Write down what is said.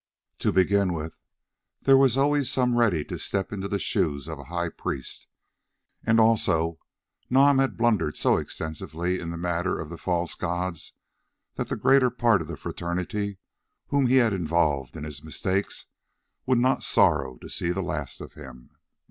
To begin with, there are always some ready to step into the shoes of a high priest, also Nam had blundered so extensively in the matter of the false gods, that the greater part of the fraternity, whom he had involved in his mistakes, would not sorrow to see the last of him.